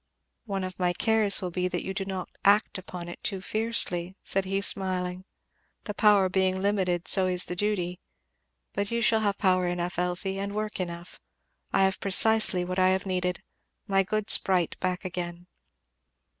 "One of my cares will be that you do not act upon it too fiercely," said he smiling. "The power being limited so is the duty. But you shall have power enough, Elfie, and work enough. I have precisely what I have needed my good sprite back again."